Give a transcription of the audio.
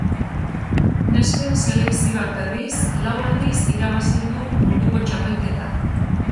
Nesken selekzioak berriz lau aldiz irabazi du Munduko Txapelketa.